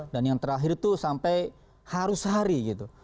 dan yang terakhir tuh sampai harus sehari gitu